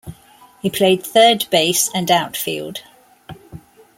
He played third base and outfield.